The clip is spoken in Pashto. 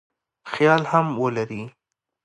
خیال هم ولري.